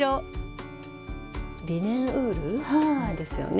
リネンウールなんですよね。